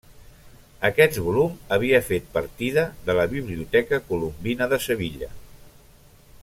Aquest volum havia fet partida de la Biblioteca Colombina de Sevilla.